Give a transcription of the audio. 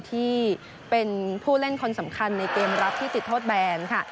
ที่เป็นผู้เล่นคนสำคัญในเกมรับที่ติดโทษแบนค่ะ